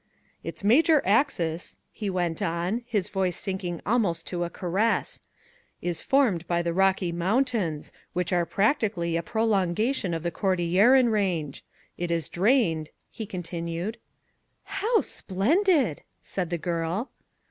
"Its major axis," he went on, his voice sinking almost to a caress, "is formed by the Rocky Mountains, which are practically a prolongation of the Cordilleran Range. It is drained," he continued "How splendid!" said the girl.